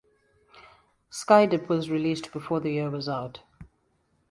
"Skidip" was released before the year was out.